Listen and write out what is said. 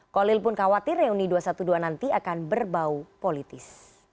kolil pun khawatir reuni dua ratus dua belas nanti akan berbau politis